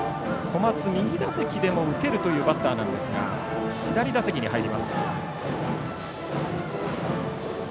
小松、右打席でも打てるというバッターなんですが左打席に入ります。